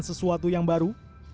sesuatu yang baru